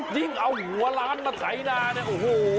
ยิ่งเอาหัวร้านมาไขนาน่ะโอ้โฮ